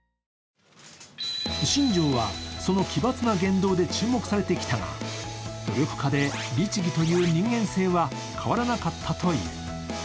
新庄はその奇抜な言動で注目されてきたが、努力家で律儀という人間性は変わらなかったという。